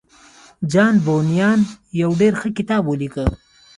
جان بونيان يو ډېر ښه کتاب وليکه.